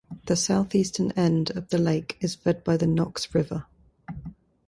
The southeastern end of the lake is fed by the Knox River.